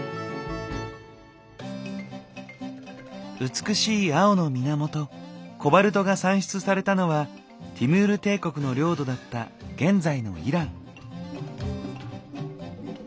美しい青の源コバルトが産出されたのはティムール帝国の領土だった現在のイラン。